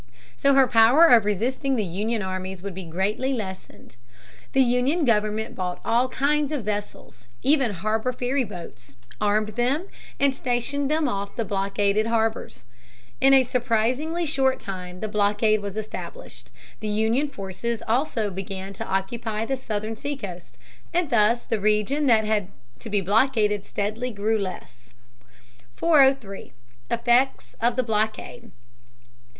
So her power of resisting the Union armies would be greatly lessened. The Union government bought all kinds of vessels, even harbor ferryboats, armed them, and stationed them off the blockaded harbors. In a surprisingly short time the blockade was established. The Union forces also began to occupy the Southern seacoast, and thus the region that had to be blockaded steadily grew less. [Sidenote: Effect of the blockade.] 403. Effects of the Blockade.